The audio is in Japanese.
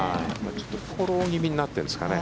ちょっとフォロー気味になってるんですかね。